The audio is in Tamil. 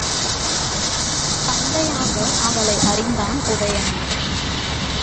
தத்தையாக அவளை அறிந்தான் உதயணன்.